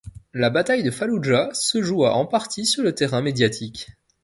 La bataille de Falloujah se joua en partie sur le terrain médiatique.